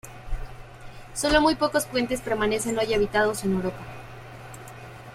Sólo muy pocos puentes permanecen hoy habitados en Europa.